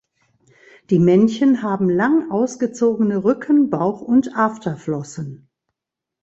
Die Männchen haben lang ausgezogene Rücken-, Bauch- und Afterflossen.